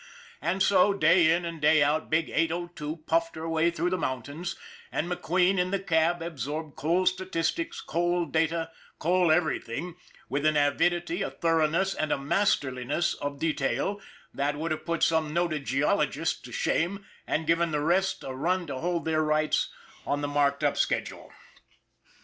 And so, day in and day out, big 802 puffed her way through the mountains, and McQueen, in the cab, absorbed coal statistics, coal data, coal everything, with an avidity, a thoroughness, and a masterliness of detail, that would have put some noted geologists to shame and given the rest a run to hold their rights on the marked up schedule.